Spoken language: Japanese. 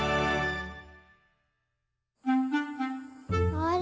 あれ？